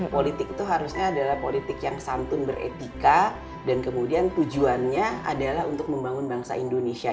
politik itu harusnya adalah politik yang santun beretika dan kemudian tujuannya adalah untuk membangun bangsa indonesia